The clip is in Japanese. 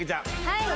はい。